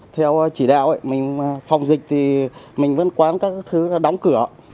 theo chỉ đạo phòng dịch thì mình vẫn quán các thứ đóng cửa